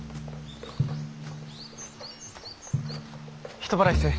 人払いせい。